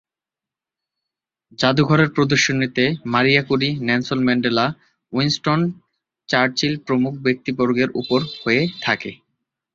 জাদুঘরের প্রদর্শনীতে Maria Curie, Nelson Mandela, Winston Churchill প্রমুখ ব্যক্তিবর্গের উপর হয়ে থাকে।